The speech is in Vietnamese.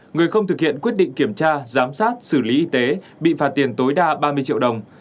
người không thực hiện quyết định kiểm tra giám sát xử lý y tế bị phạt tiền tối đa ba mươi triệu đồng